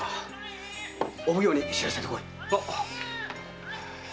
お奉行に知らせてこい。